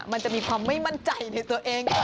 มันจะมีความไม่มั่นใจในตัวเอง